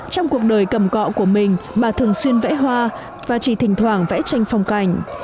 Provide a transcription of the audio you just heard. trong cuộc đời cầm cọ của mình mà thường xuyên vẽ hoa và chỉ thỉnh thoảng vẽ tranh phong cảnh